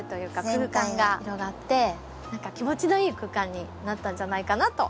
空間が広がって何か気持ちのいい空間になったんじゃないかなと。